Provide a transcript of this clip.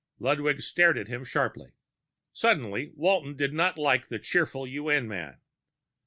Ludwig stared at him sharply. Suddenly, Walton did not like the cheerful UN man.